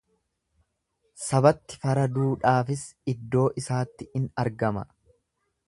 Sabatti faraduudhaafis iddoo isaatti in argama.